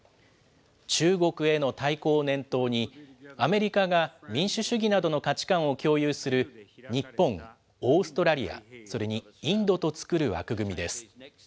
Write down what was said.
中国への対抗を念頭に、アメリカが民主主義などの価値観を共有する日本、オーストラリア、それにインドと作る枠組みです。